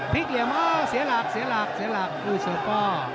พลิกเหลี่ยวมาเสียหลากเสียหลากเสียหลากอุ้ยเซอร์ป่อ